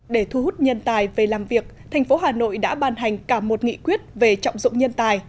để thu hút nhân tài về làm việc thành phố hà nội đã ban hành cả một nghị quyết về trọng dụng nhân tài